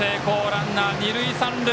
ランナー、二塁三塁。